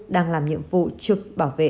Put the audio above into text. đang làm nhiệm vụ trực bảo vệ